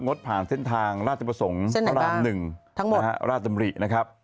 งดผ่านเส้นทางราชประสงค์ธรรมหนึ่งทั้งหมดราชมรินะครับ